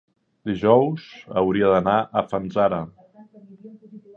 Dijous hauria d'anar a Fanzara.